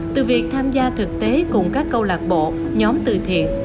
từ việc tham gia thực tế cùng các câu lạc bộ nhóm từ thiện